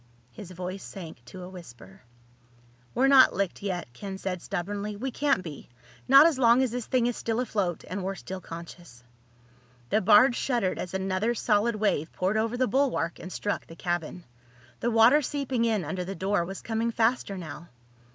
His voice sank to a whisper. "We're not licked yet," Ken said stubbornly. "We can't be—not as long as this thing is still afloat and we're still conscious." The barge shuddered as another solid wave poured over the bulwark and struck the cabin. The water seeping in under the door was coming faster now.